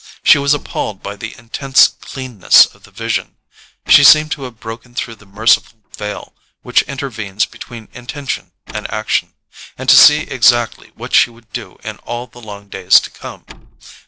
She was appalled by the intense cleanness of the vision; she seemed to have broken through the merciful veil which intervenes between intention and action, and to see exactly what she would do in all the long days to come.